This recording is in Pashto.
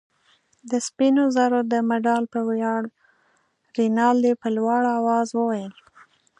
د سپینو زرو د مډال په ویاړ. رینالډي په لوړ آواز وویل.